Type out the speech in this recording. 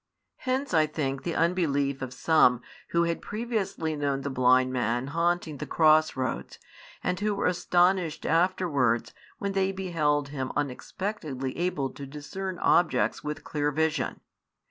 Hence, I think, the unbelief of some who had previously known the blind man haunting the cross roads, and who were astonished afterwards when they beheld him unexpectedly able to discern objects with clear vision.